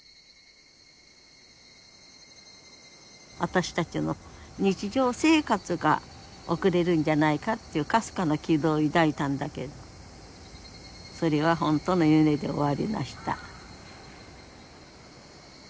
私たちも日常生活が送れるんじゃないかっていうかすかな希望を抱いたんだけどそれはほんとの夢で終わりました。